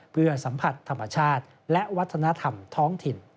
เพื่อสัมผัสธรรมชาติและวัฒนธรรมท้องถิ่น